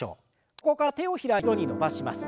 ここから手を開いて腕を後ろに伸ばします。